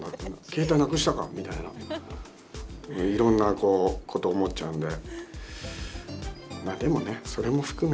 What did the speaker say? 携帯なくしたかみたいないろんなこと思っちゃうんで。